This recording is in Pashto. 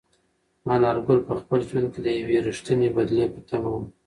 انارګل په خپل ژوند کې د یوې رښتینې بدلې په تمه و.